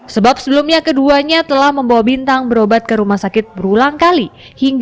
sebab sebelumnya keduanya telah membawa bintang berobat ke rumah sakit berulang kali